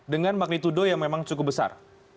dengan magnitudo yang memang cukup besar